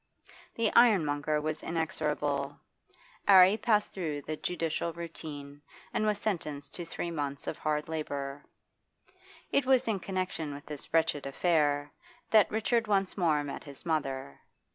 The ironmonger was inexorable. 'Arry passed through the judicial routine and was sentenced to three months of hard labour. It was in connection with this wretched affair that Richard once more met his mother.